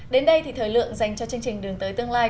đến đây thì thời lượng dành cho chương trình đường tới tương lai